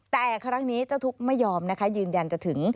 แต่ครั้งนี้เจ้าทุกข์ไม่ยอมนะคะยืนยันจะถึง